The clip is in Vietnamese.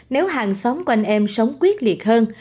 nếu hàng xóm của anh em sống quyết liệt hơn